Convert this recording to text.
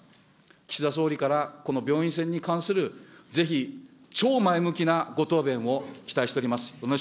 岸田総理から、この病院船に関する、ぜひ超前向きなご答弁を期待しております。